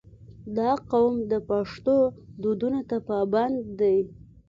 • دا قوم د پښتو دودونو ته پابند دی.